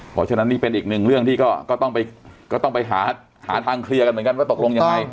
เพราะฉะนั้นนี่เป็นอีกหนึ่งเรื่องที่ก็ต้องไปหาทางเคลียร์กันเหมือนกันว่าตกลงยังไง